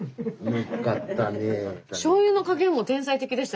よかったねえ。